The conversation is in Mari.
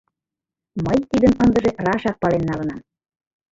Мый тидым ындыже рашак пален налынам.